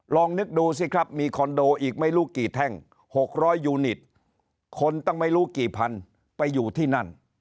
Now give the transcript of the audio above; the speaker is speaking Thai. ลองนึกดูสิครับมีคอนโดอีกไม่รู้กี่แท่ง๖๐๐ยูนิตคนตั้งไม่รู้กี่พันไปอยู่ที่นั่น